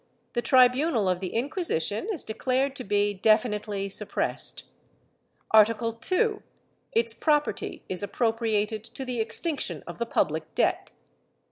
The tribunal of the Inquisition is declared to be defi nitely suppressed. Art. II. Its property is appropriated to the extinction of the public debt.